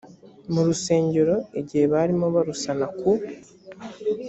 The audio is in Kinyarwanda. mu rusengero igihe barimo barusana ku